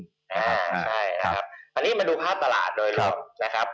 อันนั้นมันดูภาพตลาดโดยล่ะครับ